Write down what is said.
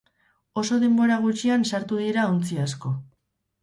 Oso denbora gutxian sartu dira ontzi asko.